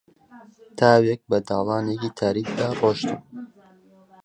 تاوێک بە داڵانێکی تاریکدا ڕۆیشتم